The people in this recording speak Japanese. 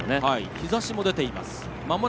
日ざしも出ています。